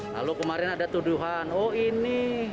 lalu kemarin ada tuduhan oh ini